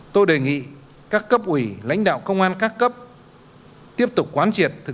tôi đề nghị các cấp ủy lãnh đạo công an các cấp tiếp tục quán triệt